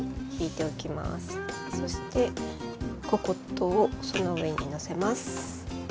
そしてココットをその上にのせます。